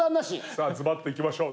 さあズバッといきましょう。